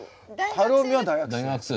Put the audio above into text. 晴臣は大学生。